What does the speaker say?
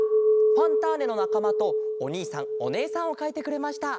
「ファンターネ！」のなかまとおにいさんおねえさんをかいてくれました。